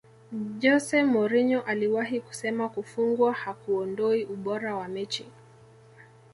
jose mourinho aliwahi kusema kufungwa hakuondoi ubora wa mechi